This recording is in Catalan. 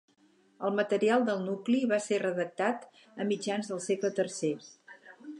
El material del nucli va ser redactat a mitjans del segle tercer.